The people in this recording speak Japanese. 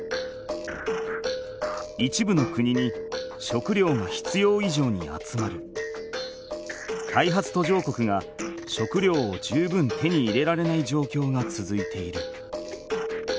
一部の国に食料が必要いじょうに集まり開発途上国が食料を十分手に入れられないじょうきょうがつづいている。